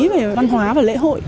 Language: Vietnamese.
về văn hóa và lễ hội